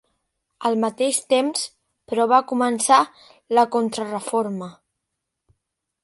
Al mateix temps, però, va començar la Contrareforma.